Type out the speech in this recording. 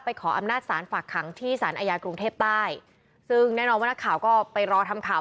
ขออำนาจศาลฝากขังที่สารอาญากรุงเทพใต้ซึ่งแน่นอนว่านักข่าวก็ไปรอทำข่าว